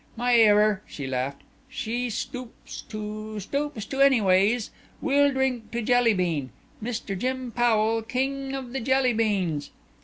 "My error," she laughed, "she stoops to stoops to anyways We'll drink to Jelly bean ... Mr. Jim Powell, King of the Jelly beans."